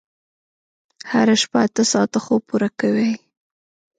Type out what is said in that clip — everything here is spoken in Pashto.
هره شپه اته ساعته خوب پوره کوئ.